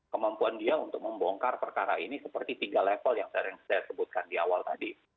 kemampuan dia untuk membongkar perkara ini seperti tiga level yang saya sebutkan di awal tadi